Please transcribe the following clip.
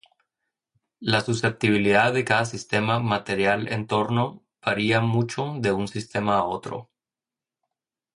La susceptibilidad de cada sistema material-entorno varia mucho de un sistema a otro.